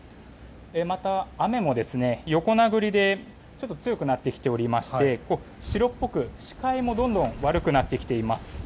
また、雨も横殴りでちょっと強くなってきておりまして白っぽく視界もどんどん悪くなってきています。